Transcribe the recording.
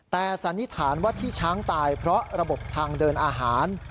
แต่สันนิษฐานว่าที่ช้างตายเพราะระบบทางเดินอาหาร